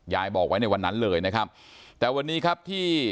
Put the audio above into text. บอกไว้ในวันนั้นเลยนะครับแต่วันนี้ครับที่